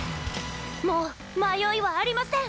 もう迷いはありまセン。